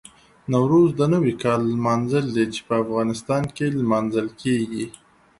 نوروز د نوي کال لمانځل دي چې په افغانستان کې لمانځل کېږي.